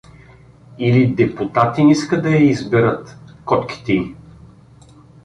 Или депутатин иска да я изберат — котките й?